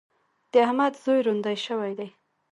د احمد زوی روندی شوی دی.